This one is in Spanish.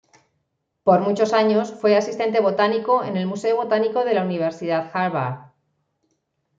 Por muchos años fue Asistente Botánico en el "Museo Botánico" de la Universidad Harvard.